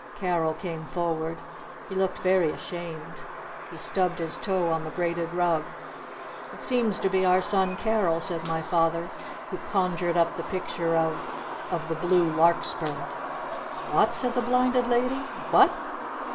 Carol came forward. He looked very ashamed. He stubbed his toe on the braided rug. "It seems to be our son Carol," said my Father, "who conjured up the picture of of the blue larkspur!" "What?" said the Blinded Lady. "_What?